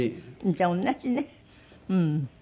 じゃあ同じねうん。